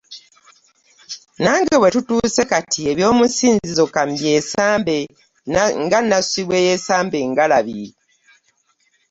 Nange we tutuuse kati eby’omu ssinzizo ka mbyesambe nasswi yeesamba ngalabi.